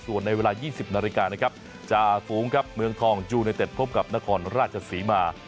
ส่วนในเวลา๒๐นจาฝูงเมืองทองยูเนตเต็ดพบกับนครราชสีมา